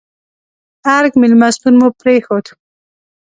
ارګ مېلمستون مو پرېښود.